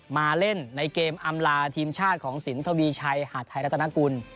มาเล่นในเกมอำลาทีมชาติของสินทวีชัยหาดไทยรัฐนากุล